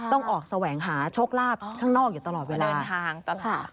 ต้องออกแสวงหาโชคลาภข้างนอกอยู่ตลอดเวลาเดินทางตลอด